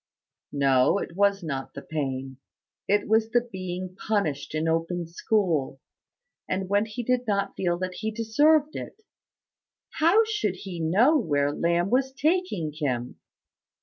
No it was not the pain. It was the being punished in open school, and when he did not feel that he deserved it. How should he know where Lamb was taking him?